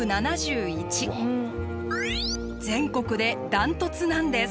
全国でダントツなんです。